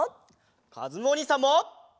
かずむおにいさんも！